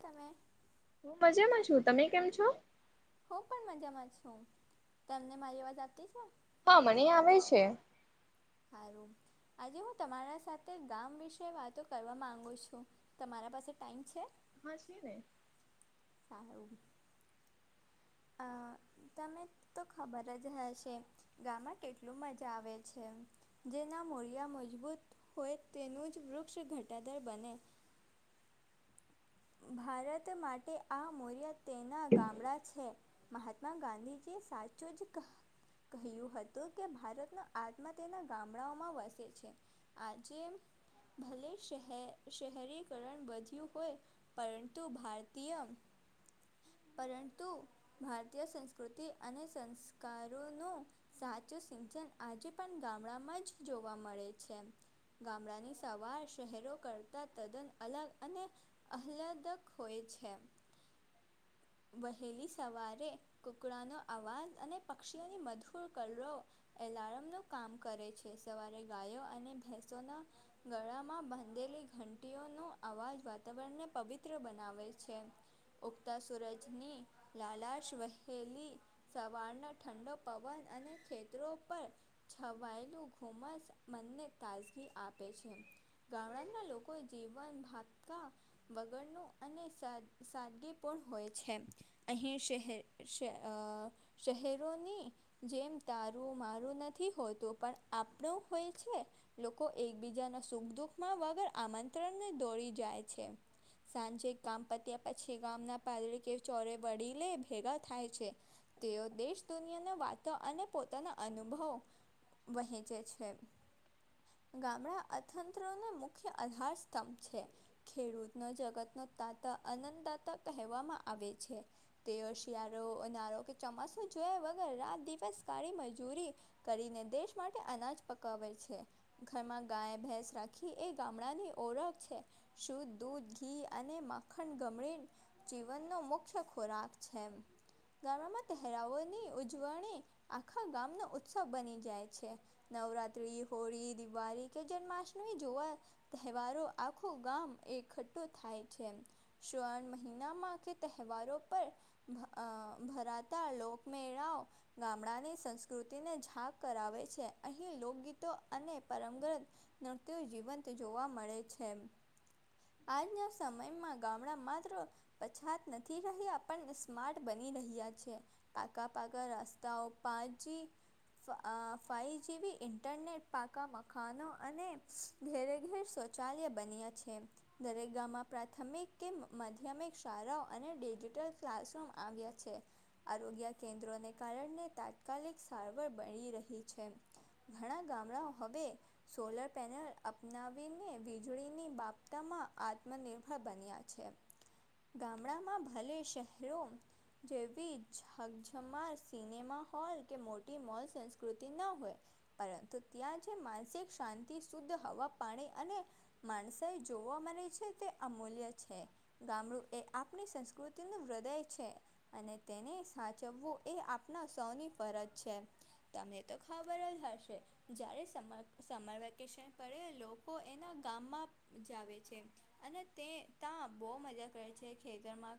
તમે મજામાં છું. તમે કેમ છો? હું પણ મજામાં છું. તમને મારી અવાજ આવતી છે? હા મને આવે છે. સારું. આજે હું તમારા સાથે ગામ વિશે વાતો કરવા માંગુ છું. તમારા પાસે ટાઈમ છે? હા છે ને. સારું. અ તમે તો ખબર જ હશે ગામાં કેટલું મજા આવે છે. જેના મૂરિયા મજબૂત હોય તેનું જ વૃક્ષ ઘટાદર બને. ભારત માટે આ મૌર્ય તેના ગામડા છે. મહાત્મા ગાંધીજી સાચો જ કહ કહ્યું હતું કે ભારતના આત્મા તેના ગામડાઓમાં વસે છે. આજે ભલે શહે શહેરીકરણ વધ્યું હોય. પરંતું ભારતીય પરંતુ ભારતીય સંસ્કૃતિ અને સંસ્કારોનું સાચું સિંચન આજે પણ ગામડામાં જ જોવા મળે છે. ગામડાની સવાર શહેરો કરતા તદ્દન અલગ અને આહ્દક હોય છે. [inaudible] વહેલી સવારે કુકડાનો અવાજ અને પક્ષીઓની મધુર કલરો એલાર્મ ન કામ કરે છે સવારે ગાયો અને ભેંસોના. ગળામાં બાંધેલી ઘંટીઓનો અવાજ વાત વાતાવરણને પવિત્ર બનાવે છે. ઉક્તા સુરજની લલાાશ વહેલી સવારનો ઠંડો પવન અને ખેતરો પર છવાયેલું ઘુમસ મનને તાજગી આપે છે. ગામડાના લોકોએ જીવન ભાત કા વગરનું અને સાદ સાદગી પણ હોય છે. અહીં શહેર સ અ શહેરોની જેમ તારું મારું નથી હોતું પણ આપણું હોય છે. લોકો એકબીજાના સુખ દુઃખમાં વગર આમંત્રણને દોડી જાય છે. સાંજે ગામ પત્યા પછી ગામના પાદળ કે ચોરે વળી લે ભેગા થાય છે. તેઓ દેશ દુનિયાના વાતો અને પોતાના અનુભવો વહેંચ છે. ગામડા અર્થતંત્રને મુખ્ય આધાર સ્તંભ છે. ખેડૂતનો જગતનો તાત અનંદદાતા કહેવામાં આવે છે. તેઓ શિયાળો ઉનારો કે ચોમાસું જોયા વગર રાત દિવસ કાળી મજૂરી કરીને દેશ માટે અનાજ પકવે છે. ઘરમાં ગાય ભેંસ રાખી એ ગામડાની ઓળખ છે. શુદધ દૂધ ઘી અને માખણ ગમેં જીવનનો મુખ્ય ખોરાક છે. ગામમાં તહેરાવઓની ઉજવણી આખા ગામનો ઉત્સવ બની જાય છે. નવરાત્રી હોળી દિવાળી કે જન્માષ્ટમી જોવા તહેવારો આખું ગામ એકઠું થાય છે શવર્ણ મહિનામાં કે તહેવારો પર ભ અ ભરતા લોકમેળાવ ગામડાની સંસ્કૃતિને જક કરાવે છે અહીં લોકગીતો અને પરમગ્રત નૃત્ય જીવંત જોવા મળે છે. આજના સમયમાં ગામડા માત્ર પછાત નથી રહ્યા પણણ સ્માર્ટ બની રહ્યા છે. પાકા પાકા રસ્તાઓ પાંચી. ફાઇવ જી બી ઇન્ટરનેટ પાકા મકાાનો અને ઘેરે ઘેર શૌચાલય બન્યા છે. દરેક ગામમાં પ્રાથમિક કે માધ્યમિક શાળાઓ અને ડિજિટલ ક્લાસરૂમ આવ્યા છે. આરોગ્ય કેન્દ્રોને કારણે તાત્કાલિક સારવાર મળી રહી છે. ઘણા ગામડાઓ હવે સોલર પેનલ અપનાવીને વીજળીની બાપ માં આત્મનિર્ભર બન્યા છે ગામડામાં ભલે શહેરો જેવી જગજમા સિનેમા હોલ કે મોટી મોલ સંસ્કૃતિ ન હોય. પરંતુ ત્યાં જે માનસિક શાંતિ શુદ્ધ હવા પાણી અને માનસ સા જોવા મળે છે તે અમૂલ્ય છે. ગામડું એ આપણી સંસ્કૃતિનું હૃદય છે. અને તેને સાચવવું એ આપના સૌની ફરજ છે. તમને તો ખબર જ હશે. જ્યારે સમર સમર વેકેશન પરે લોકો એના ગામમાં જાવે છે અને તે ત્યાં બહુ મજા કરે છે ખેતરમાં.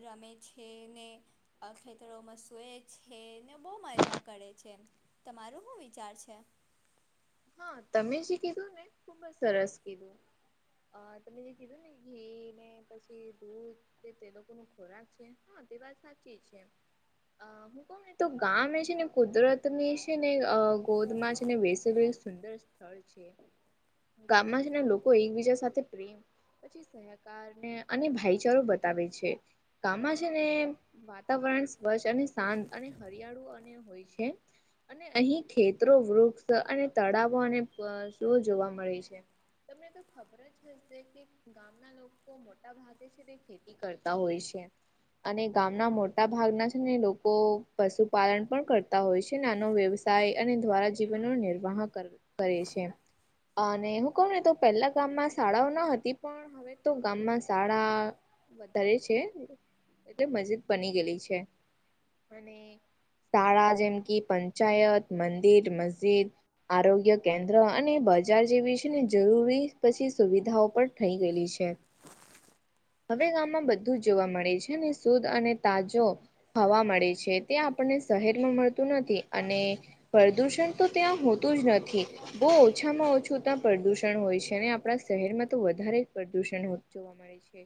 રમે છે ને. ખેતરોમાં સૂએ છે ને બહુ મજા કરે છે. તમારો શું વિચાર છે? હા તમે જે કીધું ને ખુબ જ સરસ કીધું ત જે. [inaudible] [inaudible] ક ને તો ગામમે એ છે ને કુદરત ની છે ને ગોદમાં છે ને વસે. સ્થળ છે ગામમાં ના લોકો એકબીજા સાથે પ્રેમ પછી સહકારને અને ભાઈચારો બતાવે છે ગામમાં છે ને. વાતાવરણ સ્વચ્છ અને શાંત અને હરિયાળુ અને હોય છે. અને અહી ખેતરો વૃક્ષ અને તળાવો અને. [inaudible] કરતા હોય છે. અને ગામના મોટા ભાગના છે ને લોકો પશુપાલન પણ કરતા હોય છે ને આનો એમ અને દ્વારા જીવન ન નિર્વાહ કરે છે. અને હું કહું ને તો પહેલા ગામ માં શાળાઓ ન હતી પણ હવે તો ગામમાં શાળા વધારે છે. એટલે મસ્જદ બની ગયેલી છે. સારા જેમ કે પંચાયત મંદિર મસ્જિદ આરોગ્ય કેન્દ્ર અને બજાર જેવી છે જરૂરી પછી સુવિધાઓ પણ થઈ ગયેલી છે. હવે ગામમાં બધું જોવા મળે છે શુદ્ધ અને તાજો હવા મળે છે તે આપણને શહેરમાં મળતું નથી અને પ્રદૂષણ તો ત્યાં હોતું જ નથી. બહુ ઓછામાં ઓછું ત્યાં પ્રદુષણ હોય છે અને આપણા શહેરમાં તો વધારે પ્રદુષણ જોવા મળે છે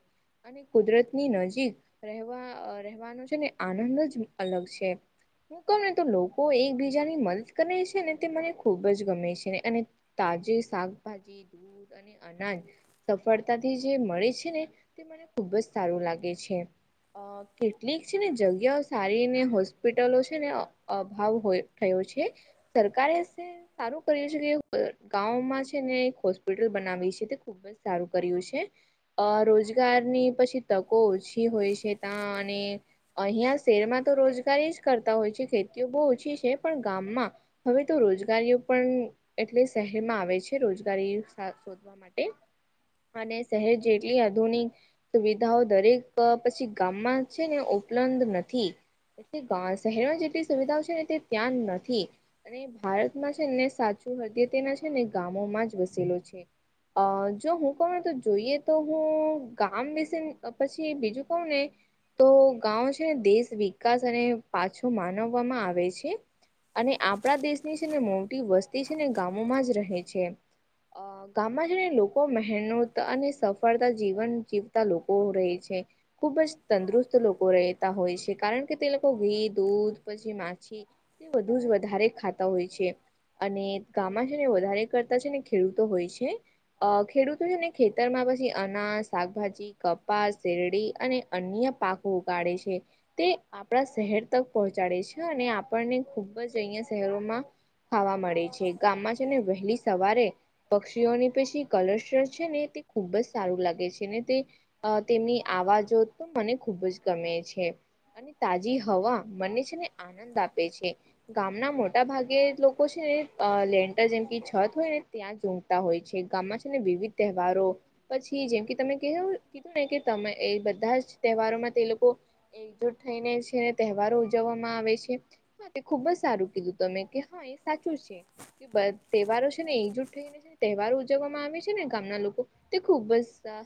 અને કુદરત ની નજીક રહેવા રહેવાનો છે ને આનંદ જ અલગ છે હું કહ ને તો તો એકબીજા ની મદદ કરે છે ને તે મને ખુબ જ ગમે છે અને તાજે શાકભાજી અને અનાજ સફળતા થી જે મળે છે ને. મને ખુબ જ સારું લાગે છે. અ કેટલીક છે ને જગ્યાઓ સારી ને હોસ્પિટલો છે ને અભાવ થયો છે. સરકારે સારું કરી છે કે ગામાં છે ને એક હોસ્પિટલ બનાવી છે તે ખુબ સારું કર્યું છે, અ રોજગારની પછી તકો ઓછી હોય છે ત્યાં અને અહીંયા. શહેરમાં તો રોજગારી જ કરતા હોય છે ખેતીઓ બહુ ઓછી છે પણ ગામમાં હવે તો રો રજગારીઓ પણ એટલે શહેર માં આવે છે રોજગારી શોધવા માટે અને શહેર જેટલી આધુનિક સુવિધાઓ દરેક પછી ગામમાં છે ને ઉપલબ્ધ નથી. એ શહેરમાં જેટલી સુવિધાઓ છે ને તે ત્યાં નથી, અને ભારત છે ને સાચું હરદય તેના છે ને ગામોમાં જ વસેલો છે. અ જો હું કણ ને તો જોઈએ તો હું ગામ વિશે પછી બીજું કણ ને. તો ગા છે ને દેશ વિકાસ અને પાછો માનવવામાં આવે છે. અને આપણા દેશની છે ને મોટી વસ્તી છે ને ગામોમાં જ રહે છે, અ કામમાં છેને લોકો મહેનત અને સફળતા જીવન જીવતા લોકો રહેે છે. ખુબ જ તંદુરસ્ત લોકો રહેતા હોય છે કારણ કે તે લોકો ઘી દૂધ પછી માછી. વધુ જ વધારે ખા હોય છે, અને ગામમાં છે ને વધારે કરતા છે ને ખેડૂતો હોય છે. અ ખેડૂતો છે ને ખેતી ખતરમાં પછી અના શાકભાજી કપાસ શેરડી અને અન્ય પાકો ઉગાળે છે. તે આપણા શહેર તક પહોંચાડે છે અને આપણને ખુબ જ અહિયાં ખાવા મળે છે, ગામમાં છે ને વહેલી સવારે પક્ષીઓને પછી કલસ્ટ છે ને તે ખૂબ જ સારું લાગે છે ને તે અ તેમની આવાજો તો મને ખૂબ જ ગમે છે. અને તાજી હવા મને છે ને આનંદ આપે છે, ગામના મોટા ભાગે લોકો છે ને લેન્ટર જેમ કે છત હોય ને ત્યાં ઝમતા હોય છે ગામમાં છે ને વિવિધ તહેવારો. પછી જેમ કે તમે ક કીધું ને કે તમે એ બધા જ તહેવારોમાં તે લોકો એકજુટ થઈને છેને તહેવારો ઉજવવામાં આવે છે, તે ખુબ જ સારું કીધું. તમે કે હા એ સાચું છે, તહેવારો છે ને એજુ થઈને. તહેવાર ઉજવવામાં આવે છે ને ગામના લોકો. તે ખૂબ જ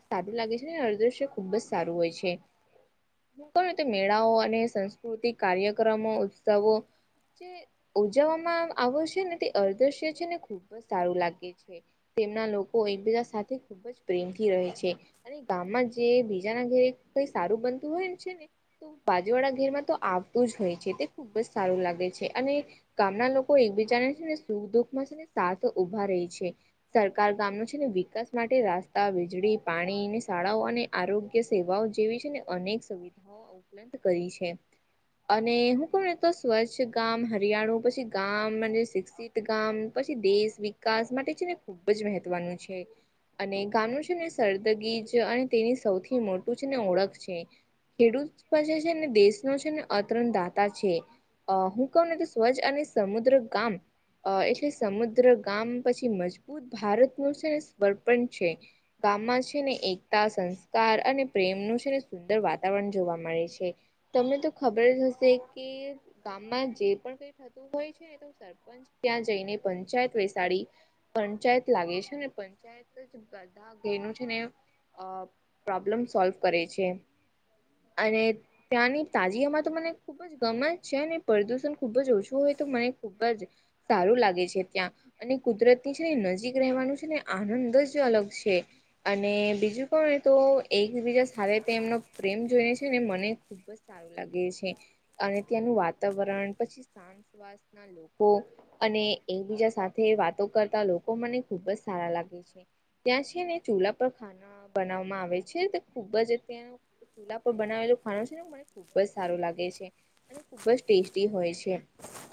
સારું લાગે છે અદ્રશ્ય ખુબ જ સારું હોય છે. કોતે મેળાઓ અને સાસ્કૃતિક કાર્યક્રમો ઉત્સવો, જે ઉજવવામાં આવ છે ને તે અર્ધશ્ય છે ને ખુબ જ સારું લાગે છે. તેમના લોકો એકબીજા સાથે ખુબ જ પ્રેમથી રહે છે, અને ગામમાં જે બીજાના ઘેરે કઈ સારું બનતું હોય ને છે ને. તો બાજુવાળા ઘેરમાં તો આવતું જ હોય છે તે ખુબ જ સારું લાગે છે અને ગામના લોકો એકબીજાને છેને સુખ દુઃખમાં છે સાથ ઉભા ર છે. સરકાર ગામનું છે ને વિકાસ માટે રાસ્તા વીજળી પાણી અને શાળાઓ અને આરોગ્ય સેવાઓ જેવી છે ને અનેક સુવિધાઓ કરી છે, અને હું તો સ્વચ્છ ગામ હરિયાળુ. પછી ગામ શિક્ષિત ગામ પછી દેશ વિકાસ માટે છે ને. ખૂબ જ મહત્વનું છે. અને ગામનું છે ને સરદગીજ અને તેની સૌથી મોટું છે ને ઓળખ છે. ખેડૂત પાસે છે ને દેશનો છે ને અતરણ દાતા છે, હું કહું ને તો સ્વજ અને સમુદ્ર ગામ. અ એટલે સમુદ્ર ગામ પછી મજબૂત ભારતનું છે સ્ર્પણ છે. ગામમાં છે ને એકતા સંસ્કાર અને પ્રેમનું છે ને સુંદર વાતાવરણ જોવા મળે છે. તમને તો ખબર જ હશે કે ગામમાં જે પણ કઈ થતું હોય છે તો સરપંચ ત્યાં જઈને પંચાયત વસાડી, પંચાયત લાગે છે ને પંચાયત બધા ઘેનું છે ને પ્રોબ્લેમ સોલ્વ કરે છે. અને ત્યાંની તાજીમાં તો મને ખુબ જ ગમેત છે ને પ્રદુષણ ખુબ જ ઓછું હોય તો મને ખુબ જ, સારું લાગે છે ત્યાં. અને કુદરત ની છે ને નજીક રહેવાનું છે ને આનંદ જ અલગ છે. અને બીજું કોણ ને તો એકબીજા સાથે તે એમનો પ્રેમ જોઈને છે ને મને ખૂબ જ સારું લાગે છે, અને ત્યાંનું વાતાવરણ પછી સાસ લોકો અને એકબીજા સાથે વાતો કરતા લોકો મને ખુબ જ સારા લાગે છે. ત્યાં છે ને ચૂલા પર ખાના બનાવવામાં આવે છે ખુબ જ ત્યાં ચૂલ્લા પર બનાવેલો ખાણ છે ને મને ખૂબ જ સારું લાગે છે, અને ખૂબ જ ટેસ્ટી હોય છે.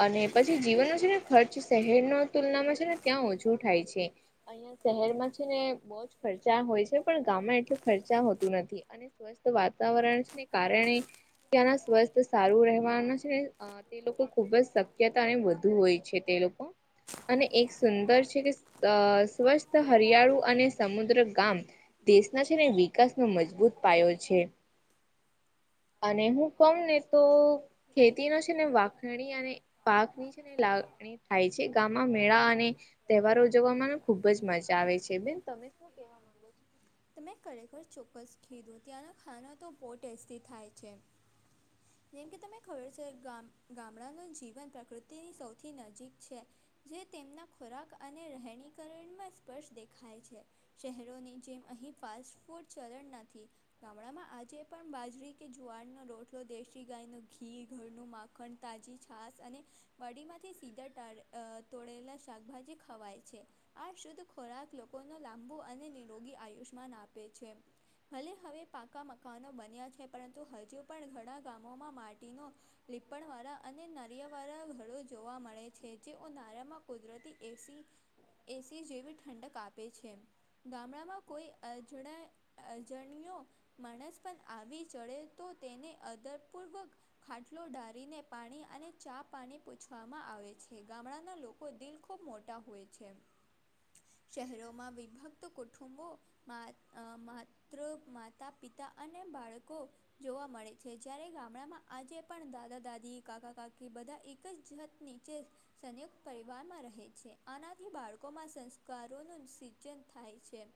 અને પછી જીવનનો છે ને ખર્ચ શહેરનો તુલનામાં છે ને ત્યાં ઓછું થાય છે. અહિયાં શહેરમાં છે ને બહુ જ ખર્ચા હોય છે પણ ગામમાં એટલું ખર્ચા હોતું નથી, અને સ્વસ્થ વાતાવરણને કારણે ત્યાંના સ્વસ્થ સારું રહેવાના છે ને તે લોકો ખુબ જ શક્યતા અને વધુ હોય છે તે લોકો. અને એક સુંદર છે કે સ્વસ્થ હરિયાળુ અને સમુદ્ર ગામ. દેશના છે અને વિકાસનો મજબૂત પાયો છે. અને હું કમ ને તો ખેતી ન છે ને વાક નડી અને પાક નીચે ને લાગ થાય છે, ગામમાં મેળા અને તહેવારો ઉજવવામાં ખુબ જ મજા આવે છે, બેન તમે શું કેવા માંગો છો? ત મેં ખરેખર ચોક્કસ કીધું ત્યાંના ખાના તો બહુ ટેસ્ટી થાય છે. જેમ કે તને ખબર છે ગામડાનું જીવન પ્રકૃતિની સૌથી નજીક છે. જે તેમના ખોરાક અને રહેણીકરણમાં સ્પર્શ દેખાય છે. શહેરોની જેમ અહીં ફાસ્ટ ફૂડ ચલણ નથી. ગામડામાં આજે પણ બાજરી કે જુવારનોો રોટલો દેશે ી ગાયનું ઘી ઘરનું માખણ તાજી છાસ અને વાડી માંથી સીધાા તોળેલા શાકભાજી ખવાય છે. આ શુદ્ધ ખોરાક લોકોને લાંબુ અને નિરોગી આયુષ્માન આપે છે. ભલે હવે પાકા મકાનો બન્યા છે પરંતુ હજુ પણ ઘણા ગામોમાં માટીનો લીપણ વાળા અને નરિયા વાળા ઘડો જોવા મળે છે જેઓ નારિયામાં કુદરતી એ સી. એસી જેવી ઠંડક આપે છે. ગામડામાં કોઈ અજણ અજણ્યો. માણસ પણ આવી ચડે તો તેને અધપૂર્વક. ખાટલો ડારીને પાણી અને ચા પાણી પૂછવામાં આવે છે ગામડાના લોકો. દિલ ખૂબ મોટા હોય છે. [inaudible] શહેરોમાં વિભક્ત કુટુંબો. માત્ર માતા પિતા અને બાળકો, જોવા મળે છે જ્યારે ગામડામાં આજે પણ દાદા દાદી કાકા કાકી બધા એક જ જાત નીચે. સંયુક્ત પરિવારમાં રહે છે આનાથી બાળકોમાં સંસ્કારોનું સિચન થાય છે.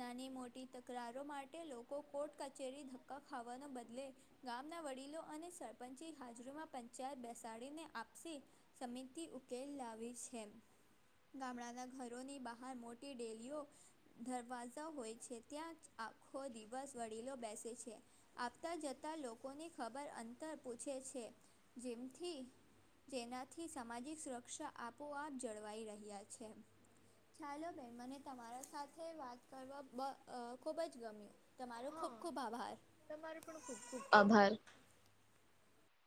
નાની મોટી તકરારો માટે લોકો કોર્ટ કચેરી ધક્કા ખાવાના બદલે ગામના વડીલો અને સરપંચે હાજરીમાં પંચાયત બેસાડીને આપશી સમિતિ ઉકેલ લાવી છે. ગામડાના ઘરોની બહાર મોટી ડેલીઓ ધરવાજા હોય છે ત્યાં જ આખો દિવસ વડીલો બેસે છે. આવતા જતા લોકોની ખબર અંતર પૂછે છે જેમથી જેનાથી સામાજિક સુરક્ષા આપોઆપ જળવાઈ રહ્યા છે. ચાલો બેન મને તમારા સાથે વાત કરવા બ અ ખૂબ જ ગમ્યું. તમારો ખૂબ-ખૂબ આભાર. તમારે પણ ખુબ-ખુબ આભાર.